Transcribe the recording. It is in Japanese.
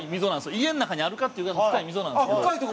家の中にあるかっていうぐらいの深い溝なんですけど。